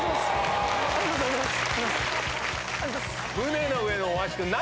ありがとうございます。